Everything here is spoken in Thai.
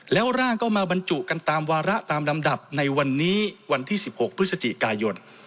แล้วร่างก็มาบรรจุกันตามวาระตามลำดับในวันนี้วันที่๑๖พฤศจิกายน